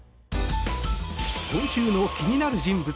今週の気になる人物